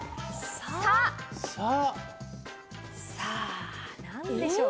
さぁ何でしょう？